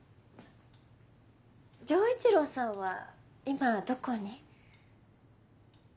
丈一郎さんは今どこに？